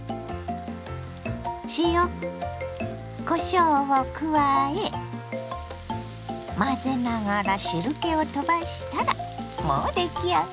塩こしょうを加え混ぜながら汁けをとばしたらもう出来上がり。